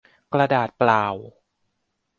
กระดาษเปล่า